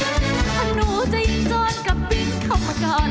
หนูจะยืนจนกระปิ๊งเข้ามาก่อน